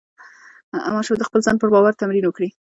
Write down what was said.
ماشوم د خپل ځان پر باور تمرین وکړي.